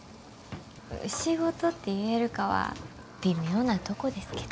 仕事って言えるかは微妙なとこですけど。